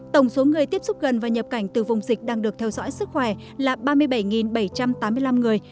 tổng số người tiếp xúc gần và nhập cảnh từ vùng dịch đang được theo dõi sức khỏe là ba mươi bảy bảy trăm tám mươi năm người